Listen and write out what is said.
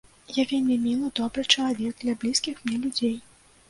Я вельмі мілы, добры чалавек для блізкіх мне людзей.